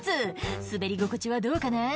滑り心地はどうかな？」